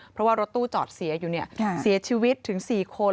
เพราะว่ารถตู้จอดเสียอยู่เสียชีวิตถึง๔คน